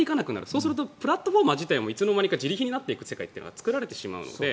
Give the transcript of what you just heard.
そうするとプラットフォーマー自体もいつの間にかじり貧になっていく時代が作られてしまうので。